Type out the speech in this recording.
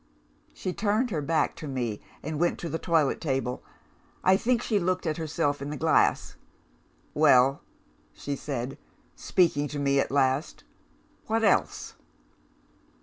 "She turned her back on me, and went to the toilet table. I think she looked at herself in the glass. 'Well,' she said, speaking to me at last, 'what else?